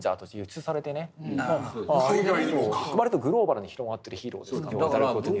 割とグローバルに広がってるヒーローですからね。